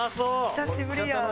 久しぶりや。